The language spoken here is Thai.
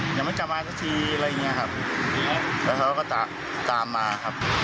เดี๋ยวมันจะมาสักทีอะไรอย่างเงี้ยครับแล้วเขาก็ตามตามมาครับ